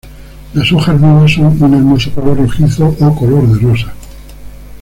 Las hojas nuevas son un hermoso color rojizo o color de rosa.